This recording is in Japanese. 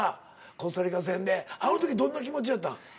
コスタリカ戦であの時どんな気持ちやったん？